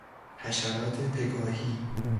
حشرات پگاهی